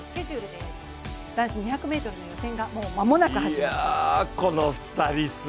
男子２００ｍの予選が間もなく始まります。